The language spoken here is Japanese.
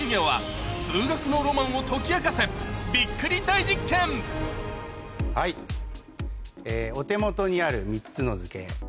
続いてのはいお手元にある３つの図形。